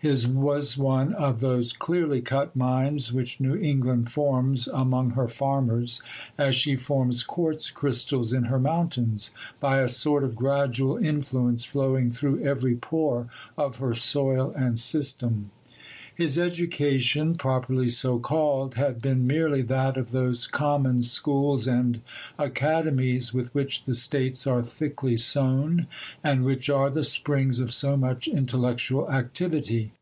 His was one of those clearly cut minds which New England forms among her farmers, as she forms quartz crystals in her mountains, by a sort of gradual influence flowing through every pore of her soil and system. His education, properly so called, had been merely that of those common schools and academies with which the States are thickly sown, and which are the springs of so much intellectual activity.